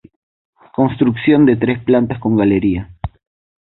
Construcción de tres plantas con galería.